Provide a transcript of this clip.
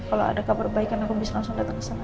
kalau ada kabar baik kan aku bisa langsung datang kesana